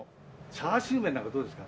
チャーシュー麺なんかどうですか。